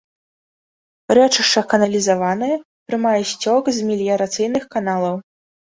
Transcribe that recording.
Рэчышча каналізаванае, прымае сцёк з меліярацыйных каналаў.